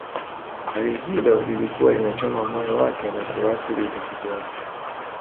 Swali hilo lilikuwa linachoma moyo wake na kuathiri utafiti wake